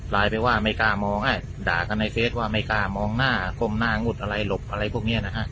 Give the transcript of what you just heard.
ไปว่าไม่กล้ามองด่ากันในเฟสว่าไม่กล้ามองหน้าก้มหน้างุดอะไรหลบอะไรพวกนี้นะฮะ